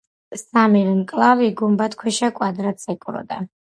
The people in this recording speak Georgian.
სამივე მკლავი გუმბათქვეშა კვადრატს ეკვროდა.